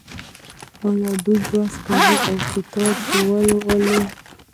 دوی بحثونه کوي او کتاب لوالي.